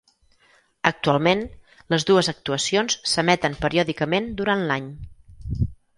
Actualment, les dues actuacions s'emeten periòdicament durant l'any.